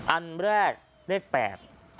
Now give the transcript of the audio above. อันแรกเลขแปด